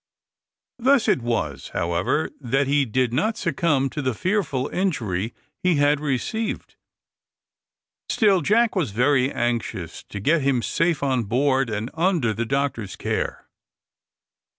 Thus it was, however, that he did not succumb to the fearful injury he had received. Still Jack was very anxious to get him safe on board, and under the doctor's care.